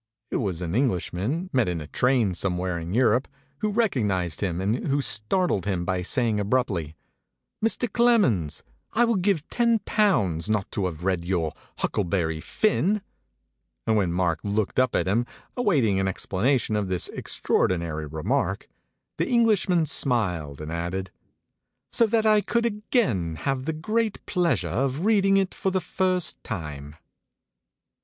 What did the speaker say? It was an Englishman, met in a train somewhere in Europe, who recognized him and who startled him by saying abruptly, "Mr. Clemens, I would give ten pounds not to have read your 'Huckle berry Finn'!" And when Mark looked up at him, awaiting an explanation of this extraordi nary remark, the Englishman smiled and added : "So that I could again have the great pleasure of reading it for the first time."